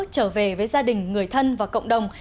trở về với gia đình người thân và cộng đồng